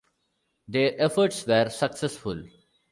Their efforts were successful.